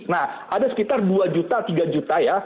nah ada sekitar dua juta tiga juta ya